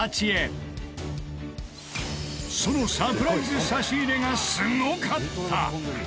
そのサプライズ差し入れがすごかった！